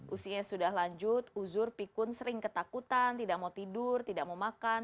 usianya sudah lanjut uzur pikun sering ketakutan tidak mau tidur tidak mau makan